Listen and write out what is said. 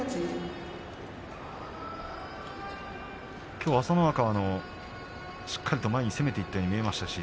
きょう朝乃若はしっかりと前に攻めていったように見えましたね